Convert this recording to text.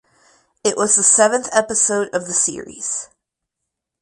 It was the seventh episode of the series.